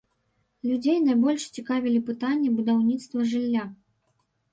Людзей найбольш цікавілі пытанні будаўніцтва жылля.